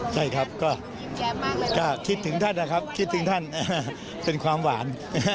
ใช่ครับก็คิดถึงท่านนะครับคิดถึงท่านเป็นความหวาน